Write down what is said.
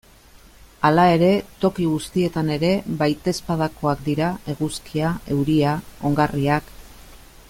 Hala ere, toki guztietan ere baitezpadakoak dira eguzkia, euria, ongarriak...